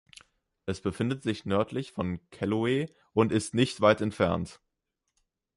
Es befindet sich nördlich von Kelloe und ist nicht weit entfernt.